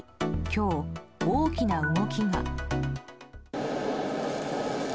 今日、大きな動きが。